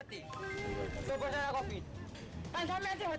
tidak ada masalah tidak ada masalah